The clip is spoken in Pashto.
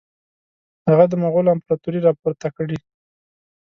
هغه د مغولو امپراطوري را پورته کړي.